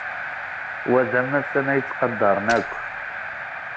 Wa d amassan ay ttqadaren akk.